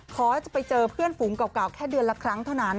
ขอจะไปเจอเพื่อนฝูงเก่าแค่เดือนละครั้งเท่านั้น